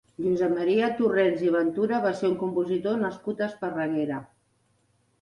Josep Maria Torrens i Ventura va ser un compositor nascut a Esparreguera.